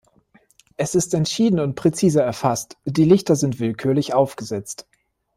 Es ist entschieden und präzise erfasst, die Lichter sind willkürlich aufgesetzt.